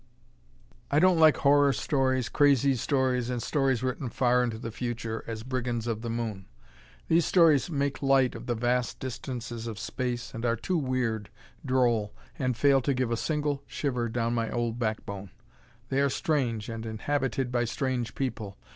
I don't like horror stories, crazy stories and stories written far into the future, as "Brigands of the Moon." These stories make light of the vast distances of space and are too weird, droll and fail to give a single shiver down my old backbone. They are strange and inhabited by strange people.